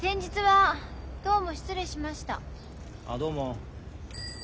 あどうも。